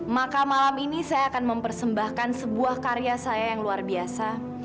maka malam ini saya akan mempersembahkan sebuah karya saya yang luar biasa